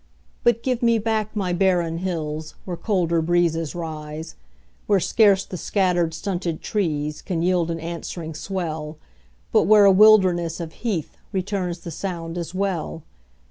But give me back my barren hills Where colder breezes rise; Where scarce the scattered, stunted trees Can yield an answering swell, But where a wilderness of heath Returns the sound as well.